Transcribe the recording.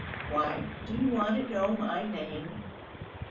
"Why do you want to know my name?..."